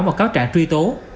và cáo trạng truy tố